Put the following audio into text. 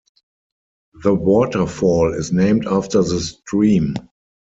The waterfall is named after the stream.